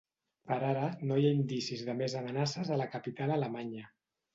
Per ara, no hi ha indicis de més amenaces a la capital alemanya.